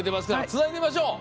つないでみましょう！